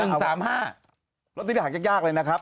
หนึ่งสามห้าล็อตเตอรี่หายากยากเลยนะครับ